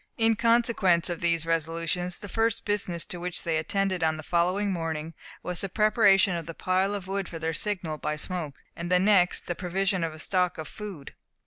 In consequence of these resolutions, the first business to which they attended on the following morning, was the preparation of the pile of wood for their signal by smoke; and the next, the provision of a stock of food.